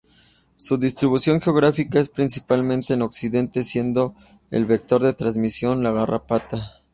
Su distribución geográfica es principalmente en Occidente, siendo el vector de transmisión la garrapata.